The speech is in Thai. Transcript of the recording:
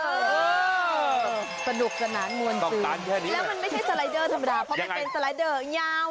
แล้วมันไม่ใช่สไลเดอร์ธรรมดาเพราะมันเป็นสไลเดอร์เงา